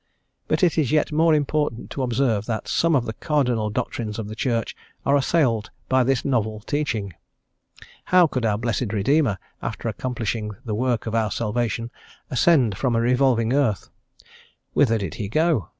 But it is yet more important to observe that some of the cardinal doctrines of the Church are assailed by this novel teaching. How could our blessed Redeemer, after accomplishing the work of our salvation, ascend from a revolving earth? Whither did He go?